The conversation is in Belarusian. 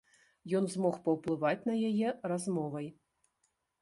Ён змог паўплываць на яе размовай.